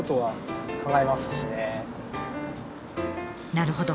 なるほど。